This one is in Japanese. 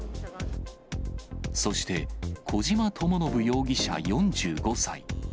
そして、小島智信容疑者４５歳。